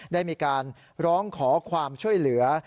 ได้มีการร้องขอความช่วยเหลือ